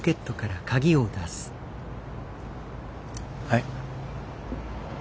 はい。